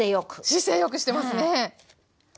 姿勢良くしてますね。